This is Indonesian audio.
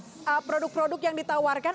bagaimana anda melihat produk produk yang ditawarkan